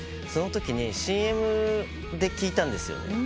そのときにＣＭで聴いたんです。